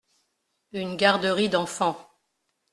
Une garderie d’enfants.